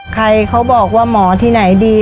เขาบอกว่าหมอที่ไหนดี